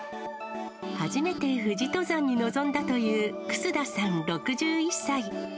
初めて富士登山に臨んだという楠田さん６１歳。